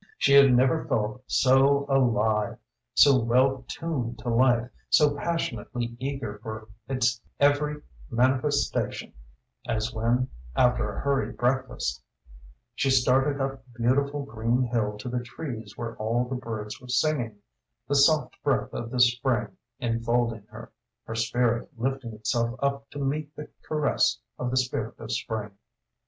She had never felt so alive, so well tuned to life, so passionately eager for its every manifestation as when, after a hurried breakfast, she started up the beautiful green hill to the trees where all the birds were singing the soft breath of the spring enfolding her, her spirit lifting itself up to meet the caress of the spirit of spring.